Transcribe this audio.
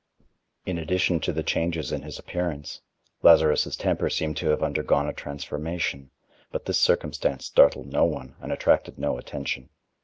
In addition to the changes in his appearance, Lazarus' temper seemed to have undergone a transformation, but this circumstance startled no one and attracted no attention.